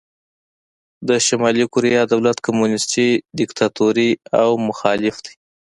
د شلي کوریا دولت کمونیستي دیکتاتوري او مخالف دی.